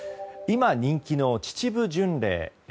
今、人気の秩父巡礼。